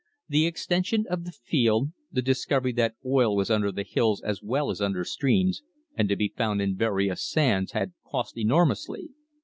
The extension of the field, the discovery that oil was under the hills as well as under streams, and to be found in various sands, had cost enormously.